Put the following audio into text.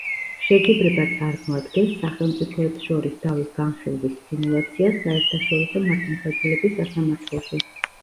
შეჯიბრება წარმოადგენს სახელმწიფოებს შორის დავის განხილვის სიმულაციას საერთაშორისო მართლმსაჯულების სასამართლოში.